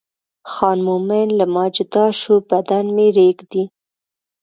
خان مومن له ما جدا شو بدن مې رېږدي.